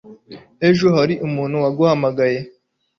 Ejo hari umuntu waguhamagaye?